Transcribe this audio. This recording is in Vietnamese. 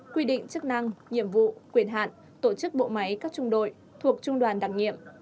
quy định chức năng nhiệm vụ quyền hạn tổ chức bộ máy các trung đội thuộc trung đoàn đặc nhiệm